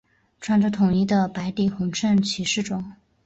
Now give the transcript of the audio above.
穿着统一的白底红衬骑士装。